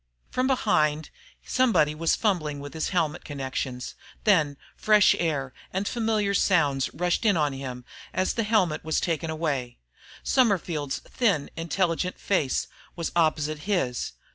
From behind, somebody was fumbling with his helmet connections, then fresh air and familiar sounds rushed in on him as the helmet was taken away. Summerford's thin, intelligent face was opposite his.